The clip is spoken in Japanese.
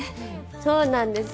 そうなんです。